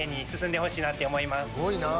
すごいなぁ。